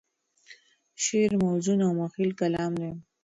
شعر موزون او مخیل کلام دی.